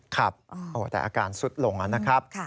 ครับแต่อาการสุดลงนะครับ